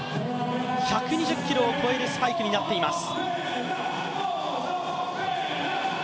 １２０キロを超えるスパイクになっています。